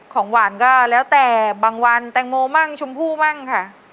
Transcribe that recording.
ของหวานก็แล้วแต่บางวันแตงโมมั่งชมพู่มั่งค่ะ